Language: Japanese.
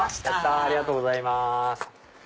ありがとうございます。